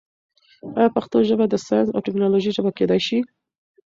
آیا پښتو ژبه د ساینس او ټیکنالوژۍ ژبه کېدای شي؟